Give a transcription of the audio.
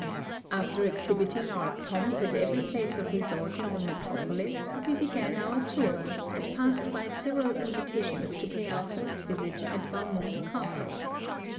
After exhibiting our pomp at every place of resort in the metropolis, we began our tour; and passed by several invitations to pay our first visit at Valmont castle.